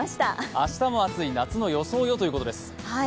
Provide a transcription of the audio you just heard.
明日も暑い、夏の装いをということです。